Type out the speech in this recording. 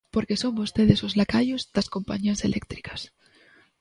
Porque son vostedes os lacaios das compañías eléctricas.